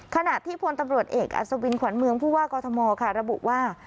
ขณะที่พลตำรวจเอกอัศวินขวัญเมืองผู้ว่ากอทมค่ะระบุว่า